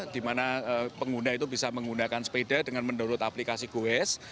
di mana pengguna itu bisa menggunakan sepeda dengan menurut aplikasi goes